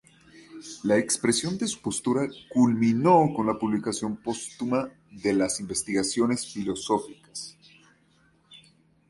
La expresión de su postura culminó con la publicación póstuma de las "Investigaciones filosóficas".